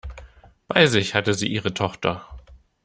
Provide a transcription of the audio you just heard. Bei sich hatte sie ihre Tochter.